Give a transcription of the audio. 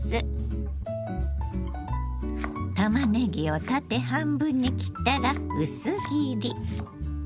たまねぎを縦半分に切ったら薄切り。